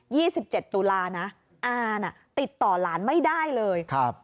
ี่สิบเจ็ดตุลานะอาน่ะติดต่อหลานไม่ได้เลยครับ